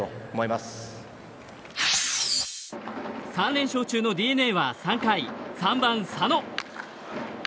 ３連勝中のＤｅＮＡは３回、３番佐野。